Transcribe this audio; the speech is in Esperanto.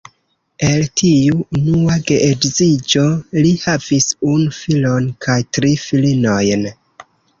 El tiu unua geedziĝo li havis unu filon kaj tri filinojn.